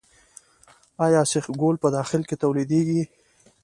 آیا سیخ ګول په داخل کې تولیدیږي؟